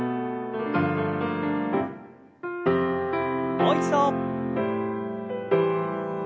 もう一度。